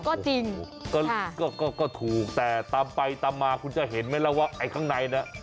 ก็จริงก็ก็ถูกแต่ตามไปตามมาคุณจะเห็นไหมล่ะว่าไอ้ข้างในน่ะ